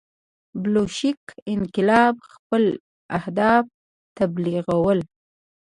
بلشویک انقلاب خپل اهداف تبلیغول.